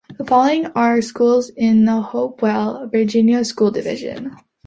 The following are schools in the Hopewell, Virginia school division.